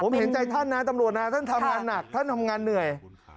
ผมเห็นใจท่านนะตำรวจนะท่านทำงานหนักท่านทำงานเหนื่อย